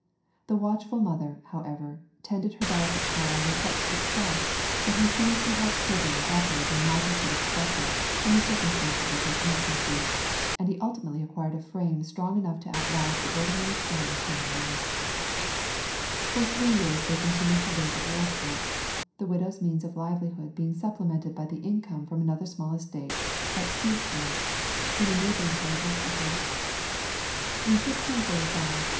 The watchful mother, however, tended her delicate child with such success that he seems to have thriven better than might have been expected from the circumstances of his infancy, and he ultimately acquired a frame strong enough to outlast the ordinary span of human life. For three years they continued to live at Woolsthorpe, the widow's means of livelihood being supplemented by the income from another small estate at Sewstern, in a neighbouring part of Leicestershire. [PLATE: WOOLSTHORPE MANOR. Showing solar dial made by Newton when a boy.